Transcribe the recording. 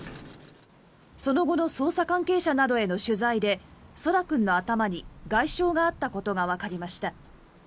その後の捜査関係者などへの取材で空来君の頭に外傷があったことがわかりました。